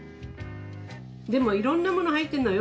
でもいろんなもの入ってんのよ